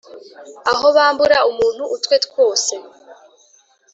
aho bambura umuntu utwe twose